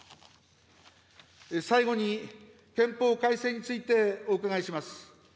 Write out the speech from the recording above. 最後に、憲法改正についてお伺いします。